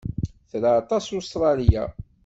Tra aṭas Ustṛalya.